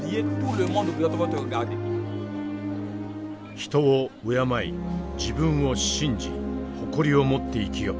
「人を敬い自分を信じ誇りを持って生きよ」。